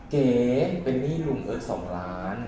เก๋เป็นหนี้ลุงเอิร์ก๒ล้าน